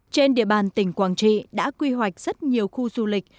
trên địa bàn tỉnh quảng trị đã quy hoạch rất nhiều khu du lịch